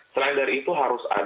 selain dari itu harus ada